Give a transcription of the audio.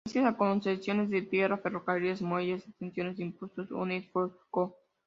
Gracias a concesiones de tierra, ferrocarriles, muelles y exención de impuestos United Fruit Co.